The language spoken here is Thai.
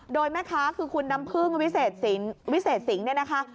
โดยแม่ค้าคือคุณน้ำพึ่งวิเศษวิเศษสิงห์เนี่ยนะคะ